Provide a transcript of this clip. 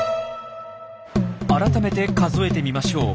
改めて数えてみましょう。